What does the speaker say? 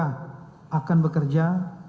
yang akan bekerja